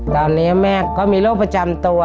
ตอนนี้แม่ก็มีโรคประจำตัว